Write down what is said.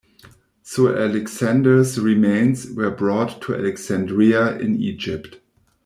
So Alexander's remains were brought to Alexandria in Egypt.